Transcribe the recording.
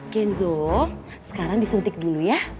kenzo sekarang disuntik dulu ya